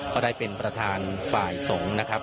ก็ได้เป็นประธานฝ่ายสงฆ์นะครับ